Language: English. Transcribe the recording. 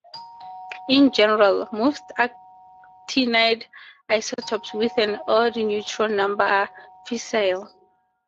In general, most actinide isotopes with an odd neutron number are fissile.